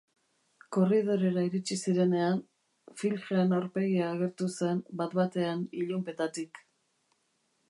Korridorera iritsi zirenean, Filchen aurpegia agertu zen bat-batean ilunpetatik.